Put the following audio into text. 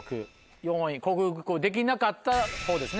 ４位克服できなかった方ですね。